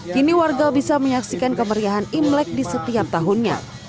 kini warga bisa menyaksikan kemeriahan imlek di setiap tahunnya